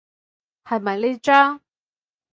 係咪呢張？